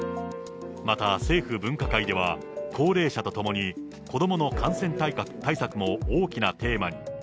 また、政府分科会では高齢者とともに、子どもの感染対策も大きなテーマに。